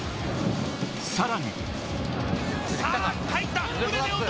さらに。